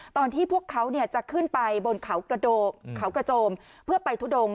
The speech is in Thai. ตอนที่พวกเขาจะขึ้นไปบนเขากระโจมเพื่อไปทุดง